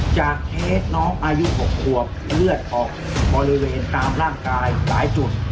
เคสน้องอายุ๖ขวบเลือดออกบริเวณตามร่างกายหลายจุด